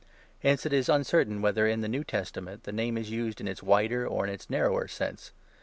Hence it is uncertain whether, in the New Testament, the name is used in its wider or in its narrower sense.